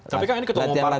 tapi kan ini ketemu partai loh